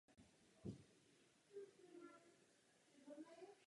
Ale dám vám slovo jako poslednímu řečníkovi.